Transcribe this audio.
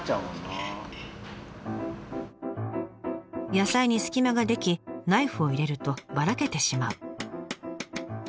野菜に隙間が出来ナイフを入れるとばらけてしまう。